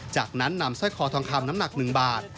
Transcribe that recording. จากนั้นนำสร้อยคอทองคำน้ำหนัก๑บาท